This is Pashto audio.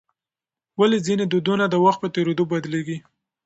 ولې ځینې دودونه د وخت په تېرېدو بدلیږي؟